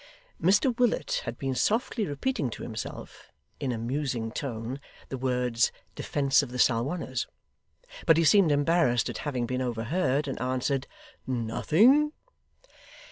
Mr Willet had been softly repeating to himself, in a musing tone, the words 'defence of the Salwanners:' but he seemed embarrassed at having been overheard, and answered 'Nothing.